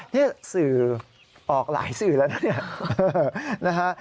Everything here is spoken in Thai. นี่สื่อออกหลายสื่อแล้วน่ะ